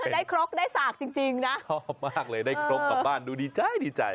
ได้ครกได้สากจริงนะชอบมากเลยได้ครกกลับบ้านดูดีใจดีใจ